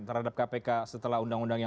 yang kepala negara menurut saya